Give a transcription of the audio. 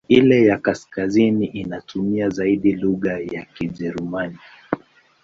Ile ya kaskazini inatumia zaidi lugha ya Kijerumani.